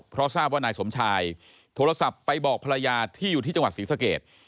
เพราะทราบว่านายสมชายโทรศัพท์ไปบอกภรรยาที่อยู่ที่จังหวัดศรีสเกต